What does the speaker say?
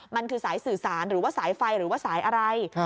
มันคือสายสื่อสารหรือว่าสายไฟหรือว่าสายอะไร